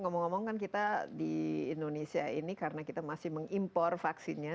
ngomong ngomong kan kita di indonesia ini karena kita masih mengimpor vaksinnya